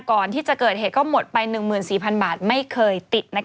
ก่อนที่จะเกิดเหตุก็หมดไป๑๔๐๐๐บาทไม่เคยติด